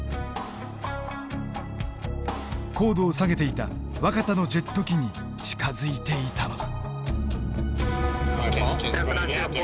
高度を下げていた若田のジェット機に近づいていたのだ。